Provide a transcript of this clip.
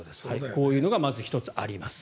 こういうのがまず１つ、あります。